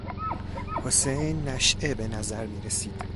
حسین نشئه به نظر میرسید.